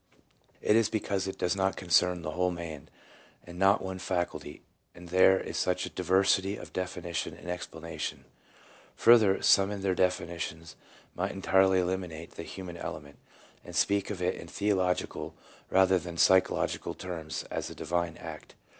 It is because it does concern the whole man, and not one faculty, that there is such a diversity of definition and explanation. Further, some in their definitions might entirely eliminate the human element, and speak of it in theological rather than psychological terms as a divine act.